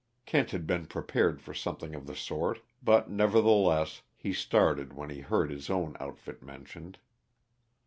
Kent had been prepared for something of the sort; but, nevertheless, he started when he heard his own outfit mentioned.